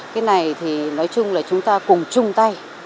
cái này thì nói chung là chúng ta cùng chung tay